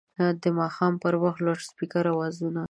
د ماښام پر وخت د لوډسپیکر اوازونه